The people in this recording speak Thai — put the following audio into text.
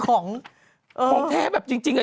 ของแท้แบบจริงเหรอ